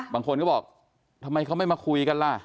บางคนก็บอกทำไมเขาไม่มาคุยกันล่ะ